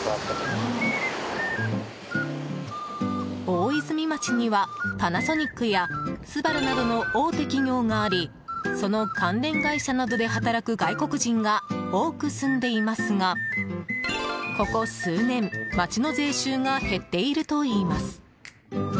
大泉町にはパナソニックやスバルなどの大手企業がありその関連会社などで働く外国人が多く住んでいますがここ数年、町の税収が減っているといいます。